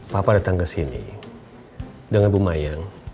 papa datang kesini dengan bu mayang